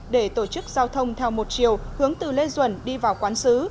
để tổ chức giao thông theo một chiều hướng từ lê duẩn đi vào quán xứ